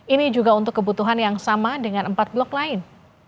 ini juga untuk kebutuhan yang sama dengan empat blok lain